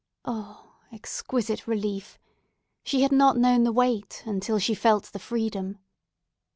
O exquisite relief! She had not known the weight until she felt the freedom!